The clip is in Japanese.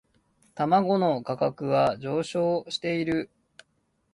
卵の価格は上昇している